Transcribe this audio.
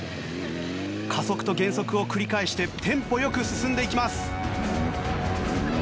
加速と減速を繰り返してテンポ良く進んでいきます。